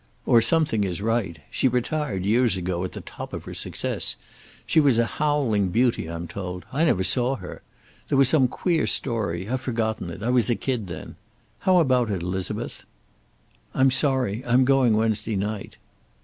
"Or something is right. She retired years ago, at the top of her success. She was a howling beauty, I'm told. I never saw her. There was some queer story. I've forgotten it. I was a kid then. How about it, Elizabeth?" "I'm sorry. I'm going Wednesday night."